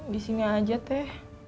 di sini aja teh